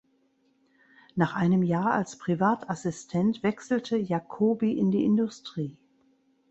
Nach einem Jahr als Privatassistent wechselte Jacoby in die Industrie.